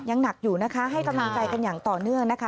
ยังหนักอยู่นะคะให้กำลังใจกันอย่างต่อเนื่องนะคะ